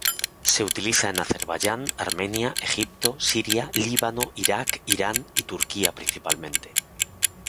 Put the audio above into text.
Se utiliza en Azerbaiyán, Armenia, Egipto, Siria, Líbano, Irak, Irán y Turquía principalmente.